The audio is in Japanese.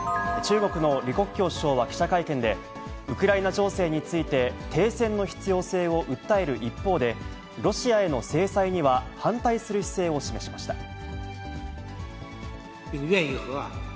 中国の李克強首相は記者会見で、ウクライナ情勢について、停戦の必要性を訴える一方で、ロシアへの制裁には反対する姿勢を示しました。